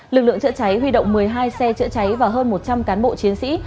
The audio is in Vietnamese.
lực lượng chữa cháy huy động một mươi hai xe chữa cháy và hơn một trăm linh cán bộ chiến sĩ